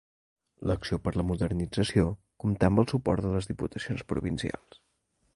L'acció per a la modernització comptà amb el suport de les diputacions provincials.